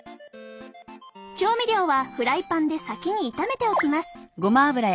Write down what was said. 調味料はフライパンで先に炒めておきます。